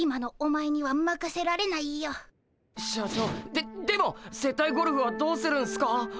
ででも接待ゴルフはどうするんすか？